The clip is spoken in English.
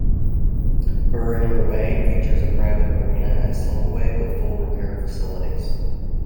Burraneer Bay features a private marina and slipway with full repair facilities.